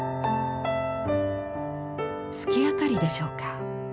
月明かりでしょうか。